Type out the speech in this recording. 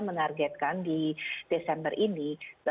menargetkan di desember ini